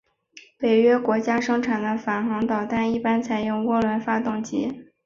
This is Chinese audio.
北约国家生产的反舰导弹一般采用涡轮发动机。